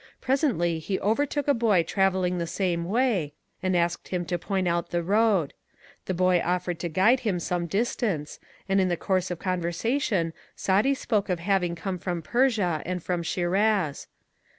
Presently he overtook a boy travelling the same way, and asked him to point out the road. The boy offered to guide him some distance, and in the course of conversation Saadi spoke of having come from Persia and from Schiraz.